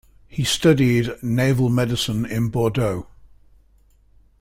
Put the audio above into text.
He studied naval medicine in Bordeaux.